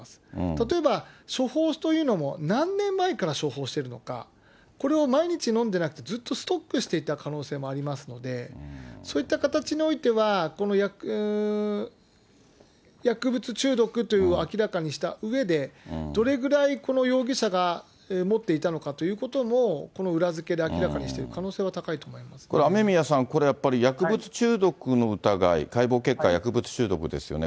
例えば処方というのも、何年前から処方してるのか、これを毎日飲んでなくて、ずっとストックしていた可能性もありますので、そういった形においては、薬物中毒という明らかにしたうえで、どれぐらいこの容疑者が持っていたのかということも、この裏付けで明らかにしていく可能性はこれ、雨宮さん、やっぱり薬物中毒の疑い、解剖結果、薬物中毒ですよね。